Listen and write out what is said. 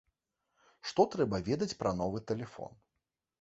Што трэба ведаць пра новы тэлефон?